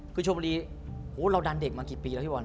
คือชมบุรีเราดันเด็กมากี่ปีแล้วพี่บอล